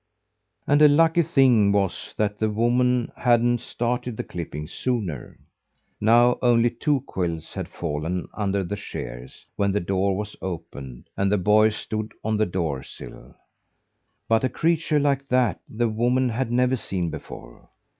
And a lucky thing it was that the woman hadn't started the clipping sooner. Now only two quills had fallen under the shears' when the door was opened and the boy stood on the door sill. But a creature like that the woman had never seen before.